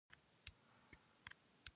مدیرې درې میاشتې رخصت واخیست.